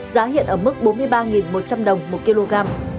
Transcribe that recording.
giá hiện ở mức bốn mươi ba một trăm linh đồng một kg